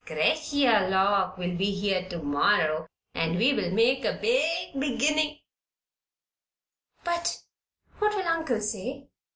'Cretia Lock will be here to morrow and we'll make a big beginnin'." "But what will uncle say?"